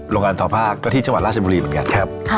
โรงงานทอพ่าก็ที่ชาวันราชบุรีเหมือนกัน